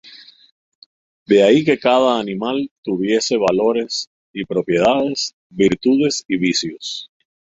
De ahí que cada animal tuviese valores y propiedades, virtudes y vicios.